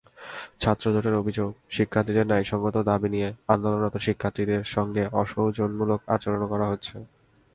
ছাত্রজোটের অভিযোগ, শিক্ষার্থীদের ন্যায়সংগত দাবি নিয়ে আন্দোলনরত শিক্ষার্থীদের সঙ্গে অসৌজন্যমূলক আচরণও করা হচ্ছে।